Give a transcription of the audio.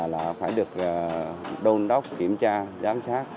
là phải được đôn đốc kiểm tra giám sát